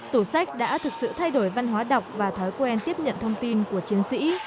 tủ sách đã thực sự thay đổi văn hóa đọc và thói quen tiếp nhận thông tin của chiến sĩ